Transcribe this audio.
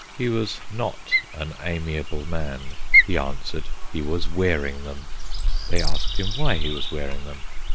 He was not an amiable man. He answered, he was wearing them. They asked him why he was wearing them.